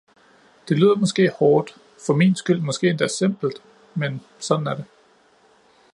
Det lyder måske hårdt, for min skyld måske endda simpelt, men sådan er det.